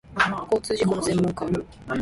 交通事故の専門家